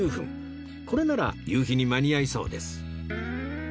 これなら夕日に間に合いそうです